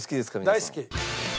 大好き。